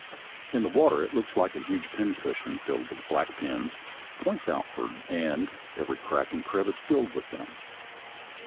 In the water it looks like a huge pincushion (Fig. 51) filled with black pins, points outward, and every crack and crevice is filled with them.